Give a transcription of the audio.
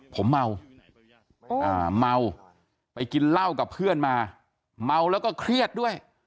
ผมเมาเมาไปกินเหล้ากับเพื่อนมาเมาแล้วก็เครียดด้วย